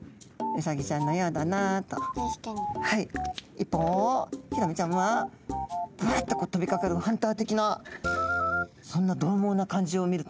一方ヒラメちゃんはバッと飛びかかるハンター的なそんなどう猛な感じを見ると。